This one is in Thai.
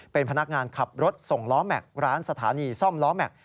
เป็นพนักงานขับรถส่งล้อแม็กซ์ร้านสถานีซ่อมล้อแม็กซ